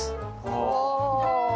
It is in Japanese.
ああ。